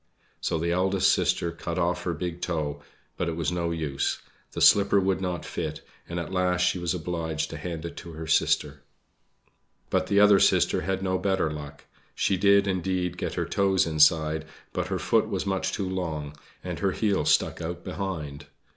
So the eldest sister cut off her big toe, but it was no use, the slipper would not fit, and at last she was obliged to hand it to her sister. But the other sister had no better luck. She did, indeed, get her toes inside, but her foot was much too long, and her heel stuck out behind.